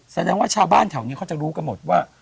แสดงว่าชาวบ้านแถวนี้เขาจะรู้กันหมดว่า